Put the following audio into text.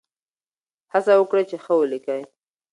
هڅه وکړئ چې ښه ولیکئ.